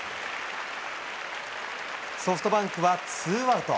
ソフトバンクはツーアウト。